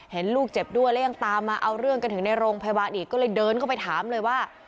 เห็นลูกเจ็บด้วยแล้วยังตามมาเอาเรื่องกันถึงในโรงพยาบาลอีกก็เลยเดินเข้าไปถามเลยว่า